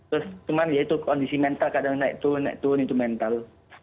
terus cuman ya itu kondisi mental kadang naik turun naik turun itu mental